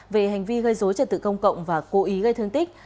về hành vi gây dối trật tự công cộng và cố ý gây thương tích